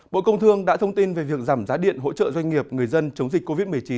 bộ công thương đã thông tin về việc giảm giá điện hỗ trợ doanh nghiệp người dân chống dịch covid một mươi chín